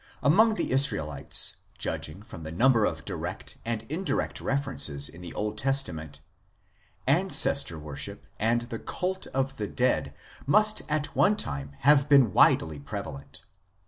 Among the Israelites, judging from the number of direct and indirect references in the Old Testament, Ancestor worship and the Cult of the Dead must at one time have been widely prevalent.